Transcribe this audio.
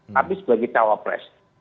tapi sebagai cawapres